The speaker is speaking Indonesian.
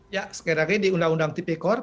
ya sekiranya di undang undang tindak pidana korupsi